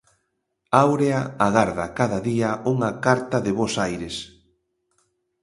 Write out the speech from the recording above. Aurea agarda cada día unha carta de Bos Aires.